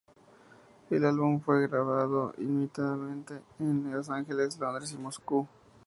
El álbum fue grabado íntimamente en Los Ángeles, Londres y Moscú.